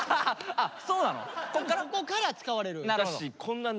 ここから使われる。